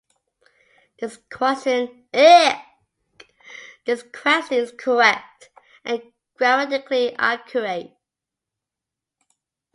This question is correct and grammatically accurate.